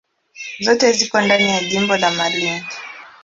Zote ziko ndani ya jimbo la Malindi.